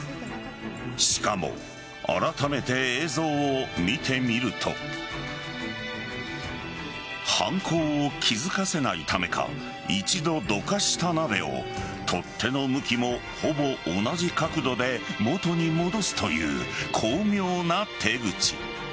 しかもあらためて映像を見てみると犯行を気付かせないためか一度どかした鍋を取っ手の向きもほぼ同じ角度で元に戻すという巧妙な手口。